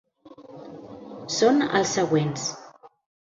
Són els següents.